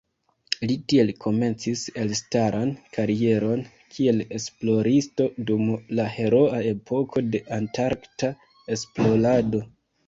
Li tiel komencis elstaran karieron kiel esploristo dum la heroa epoko de antarkta esplorado.